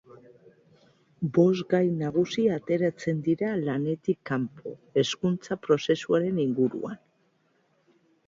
Bost gai nagusi ateratzen dira lanetik kanpo, Hezkuntza Prozesuaren inguruan.